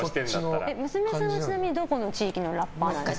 娘さんはちなみにどこの地域のラッパーなんですか。